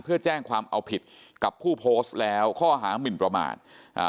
เพื่อแจ้งความเอาผิดกับผู้โพสต์แล้วข้อหามินประมาทอ่า